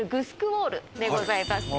ウォールでございます。